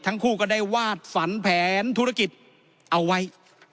ทั้งคู่ก็ได้วาดฝันแผนธุรกิจเอาไว้